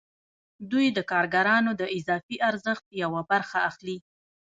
دوی د کارګرانو د اضافي ارزښت یوه برخه اخلي